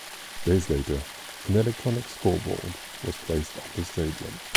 Days later, an electronic scoreboard was placed on the stadium.